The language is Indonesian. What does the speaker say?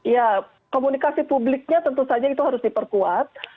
ya komunikasi publiknya tentu saja itu harus diperkuat